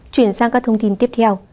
chuyển sang các thông tin tiếp theo